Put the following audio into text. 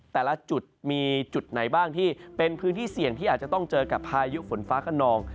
แต่ละจุดมีจุดไหนบ้างที่เป็นพื้นที่เสี่ยงที่อาจจะต้องเจอกับพายุฝนฟ้าขนอง